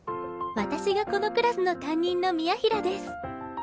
私がこのクラスの担任の宮平です。